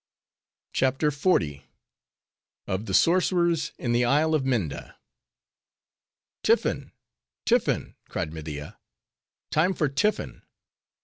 CHAPTER XL. Of The Sorcerers In The Isle Of Minda "Tiffin! tiffin!" cried Media; "time for tiffin!